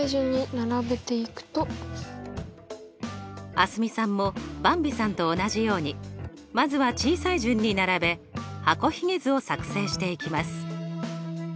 蒼澄さんもばんびさんと同じようにまずは小さい順に並べ箱ひげ図を作成していきます。